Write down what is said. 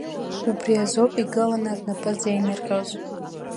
Убри азоуп игыланы рнапы зеинырҟьоз!